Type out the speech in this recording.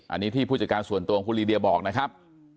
อันนี้ที่ผู้จัดการส่วนตัวของคุณลีเดียบอกนะครับ